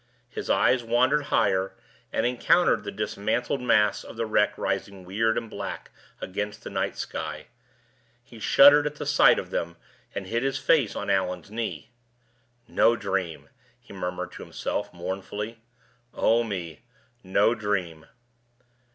His eyes wandered higher, and encountered the dismantled masts of the wreck rising weird and black against the night sky. He shuddered at the sight of them, and hid his face on Allan's knee. "No dream!" he murmured to himself, mournfully. "Oh me, no dream!"